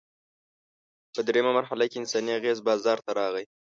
په درېیمه مرحله کې انساني اغېز بازار ته راغی.